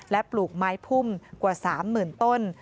และปลูกไม้พุ่มกว่า๓๐๐๐ต้น